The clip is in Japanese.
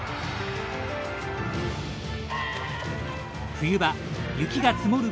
冬場雪が積もる